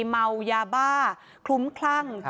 เมายาบ้าคลุ้มคลั่ง